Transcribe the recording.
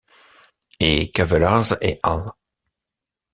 Et Kavelaars et al.